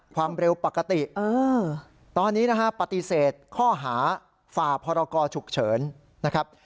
ความเร็วปกติตอนนี้นะฮะปฏิเสธข้อหาฝ่าพรกรฉุกเฉินนะครับ